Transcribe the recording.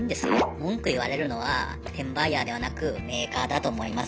文句言われるのは転売ヤーではなくメーカーだと思います。